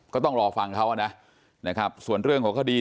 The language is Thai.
ก็ต้องรอฟังเขาน่ะส่วนเรื่องของสถานการณ์